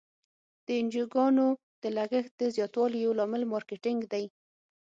د انجوګانو د لګښت د زیاتوالي یو لامل مارکیټینګ دی.